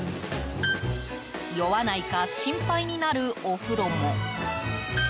酔わないか心配になるお風呂も。